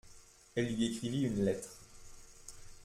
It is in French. Elle lui écrivit une lettre.